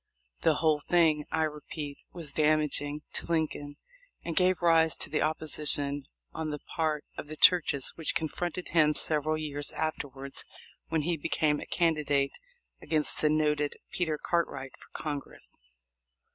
The whole thing, I repeat, was damaging to Lincoln, and gave rise to the opposition on the part of the churches which confronted him several years afterwards when he became a candidate against the noted Peter Cartwright for Congress.